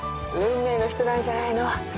運命の人なんじゃないの？